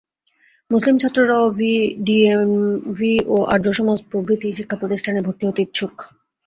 মুসলিম ছাত্ররাও ডিএভি ও আর্য সমাজ প্রভৃতি শিক্ষাপ্রতিষ্ঠানে ভর্তি হতে ইচ্ছুক।